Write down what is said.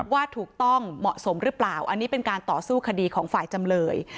ว่าถูกต้องเหมาะสมหรือเปล่าอันนี้เป็นการต่อสู้คดีของฝ่ายจำเลย